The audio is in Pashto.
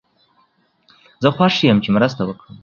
زه خوښ یم چې مرسته وکړم.